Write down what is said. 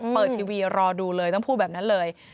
ทีวีรอดูเลยต้องพูดแบบนั้นเลย